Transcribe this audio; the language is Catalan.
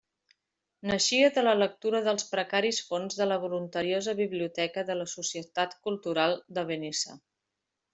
Naixia de la lectura dels precaris fons de la voluntariosa biblioteca de la Societat Cultural de Benissa.